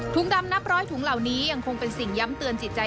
ดำนับร้อยถุงเหล่านี้ยังคงเป็นสิ่งย้ำเตือนจิตใจ